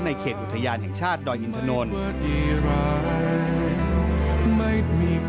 เขตอุทยานแห่งชาติดอยอินทนนท์